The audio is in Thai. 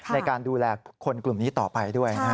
ในการดูแลคนกลุ่มนี้ต่อไปด้วยนะฮะ